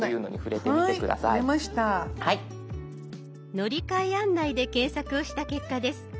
「乗り換え案内」で検索をした結果です。